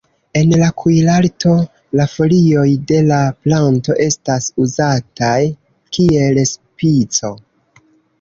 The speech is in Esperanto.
En la kuirarto la folioj de la planto estas uzataj kiel spico.